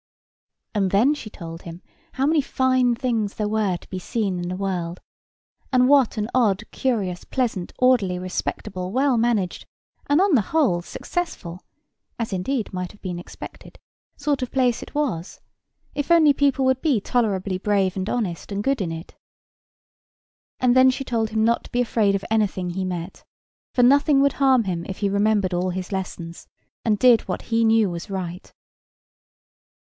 And then she told him how many fine things there were to be seen in the world, and what an odd, curious, pleasant, orderly, respectable, well managed, and, on the whole, successful (as, indeed, might have been expected) sort of a place it was, if people would only be tolerably brave and honest and good in it; and then she told him not to be afraid of anything he met, for nothing would harm him if he remembered all his lessons, and did what he knew was right.